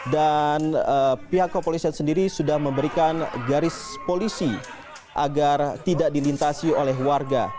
dan pihak kepolisian sendiri sudah memberikan garis polisi agar tidak dilintasi oleh warga